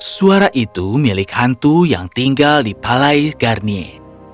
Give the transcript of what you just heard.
suara itu milik hantu yang tinggal di palais garnier